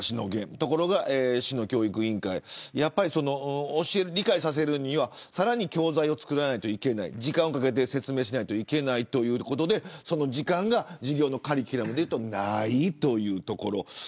ところが市の教育委員会が理解させるには、さらに教材を作らなくてはいけなくて時間をかけて説明しないといけないということでその時間が授業のカリキュラムでないというところ。